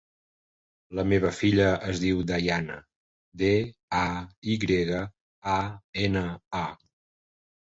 La meva filla es diu Dayana: de, a, i grega, a, ena, a.